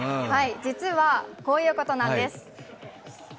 実はこういうことなんです。